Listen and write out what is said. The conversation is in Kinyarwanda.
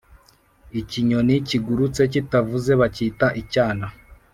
“ikinyoni kigurutse kitavuze bakita icyana!